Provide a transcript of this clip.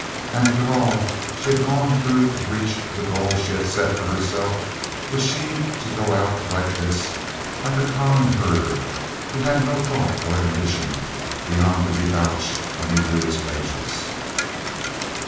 After all she had gone through to reach the goal she had set for herself was she to go out like this like a common herder who had no thought or ambition beyond the debauch when he drew his wages?